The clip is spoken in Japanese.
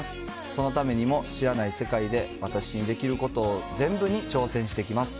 そのためにも、知らない世界で私にできること全部に挑戦してきます。